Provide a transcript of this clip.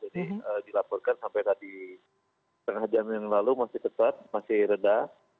jadi dilaporkan sampai tadi setengah jam yang lalu masih tetap masih redah